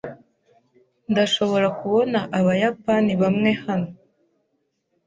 Ndashobora kubona abayapani bamwe hano.